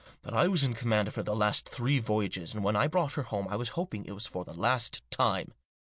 But I was in command of her the last three voyages ; and when I brought her home I was hoping it was for the last time."